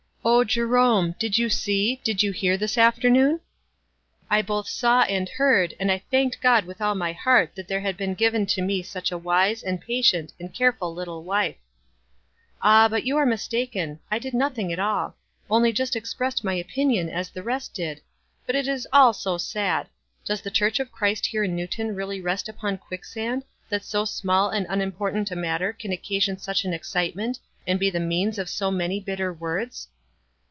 "O Jerome, did you see — did vou hear, this WISE A1S T D OTHERWISE. 57 "I both saw and heard, and I thanked God with all my heart that there had been given to me such a wise, and patient, and careful little wife." "Ah, but you are mistaken. I did nothing at all. Only just expressed my opinion as the rest did. But it is all so sad. Does the church of Christ here in Newton really rest upon quick sand, that so small and unimportant a matter can occasion such an excitement, and be the means of so many bitter words?"